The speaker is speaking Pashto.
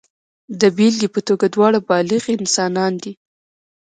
د بېلګې په توګه دواړه بالغ انسانان دي.